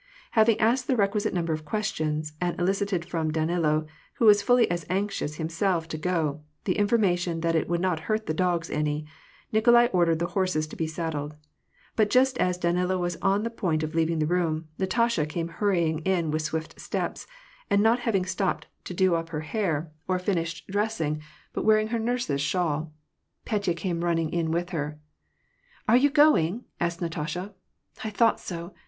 Having asked the requisite number of questions, and eli cited from Danilo — who was fully as anxious himself to go — the information that it would not hurt the dogs any, Nikolai ordered the horses to be saddled. But just as Danilo was on the point of leaving the room, Natasha came hurrying in with swift steps, not having stopped to do up her hair^ or 252 WAR AND PEACE, finish dressing, but wearing her nurse's shawl. Petya came running in with her. " Are you going ?" asked Natasha. " I thought so